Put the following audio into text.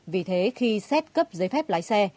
vì thế khi xét cấp giấy phép lái xe